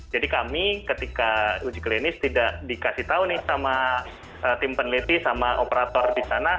jadi kami ketika uji klinis tidak dikasih tahu nih sama tim peneliti sama operator di sana